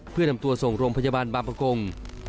เพื่อนำตัวส่งโรงพยาบาลบางประกง